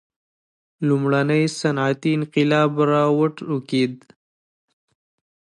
لومړنی صنعتي انقلاب را وټوکېد.